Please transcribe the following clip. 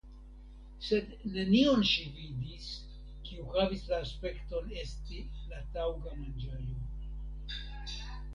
Sed nenion ŝi vidis kiu havis la aspekton esti la taŭga manĝaĵo.